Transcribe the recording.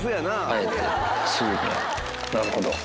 なるほど。